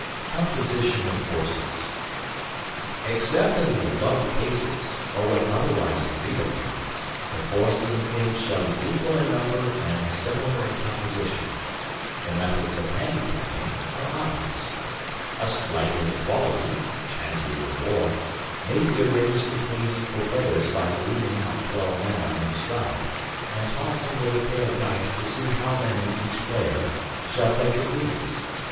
COMPOSITION OF FORCES Except in the above cases, or when otherwise agreed upon, the forces engaged shall be equal in number and similar in composition. The methods of handicapping are obvious. A slight inequality (chances of war) may be arranged between equal players by leaving out 12 men on each side and tossing with a pair of dice to see how many each player shall take of these.